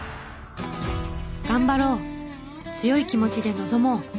「頑張ろう」「強い気持ちで臨もう」